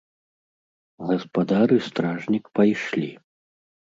Гаспадар і стражнік пайшлі.